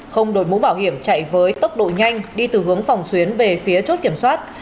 không đổi mũ bảo hiểm chạy với tốc độ nhanh đi từ hướng phòng xuyến về phía chốt kiểm soát